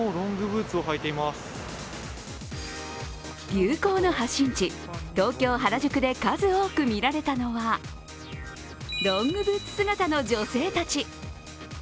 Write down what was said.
流行の発信地、東京・原宿で数多く見られたのはロングブーツ姿の女性たち。